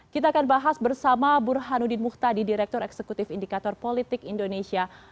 kita akan bahas bersama burhanuddin muhtadi direktur eksekutif indikator politik indonesia